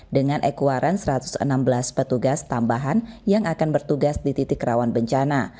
dengan ekuaran satu ratus enam belas petugas tambahan yang akan bertugas di titik rawan bencana